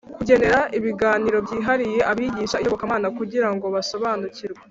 Kugenera ibiganiro byihariye abigisha iyobokamana kugira ngo basobanukirwe